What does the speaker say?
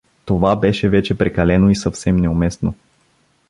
Това беше вече прекалено, и съвсем неуместно.